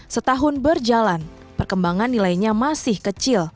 setahun berjalan perkembangan nilainya masih kecil